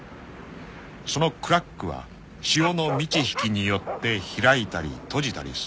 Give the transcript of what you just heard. ［そのクラックは潮の満ち引きによって開いたり閉じたりする］